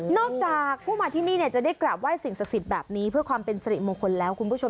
จากผู้มาที่นี่จะได้กราบไห้สิ่งศักดิ์สิทธิ์แบบนี้เพื่อความเป็นสริมงคลแล้วคุณผู้ชม